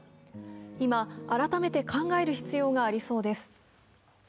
今、改めて考える必要がありそうです。